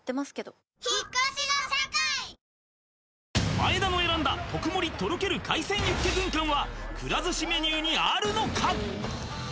前田の選んだ特盛とろける海鮮ユッケ軍艦はくら寿司メニューにあるのか？